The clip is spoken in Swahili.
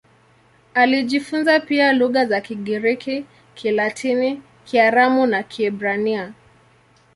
Alijifunza pia lugha za Kigiriki, Kilatini, Kiaramu na Kiebrania.